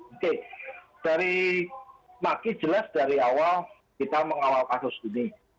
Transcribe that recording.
oke dari maki jelas dari awal kita mengawal kasus ini